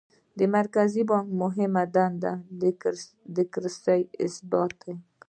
د مرکزي بانک مهمه دنده د کرنسۍ ثبات دی.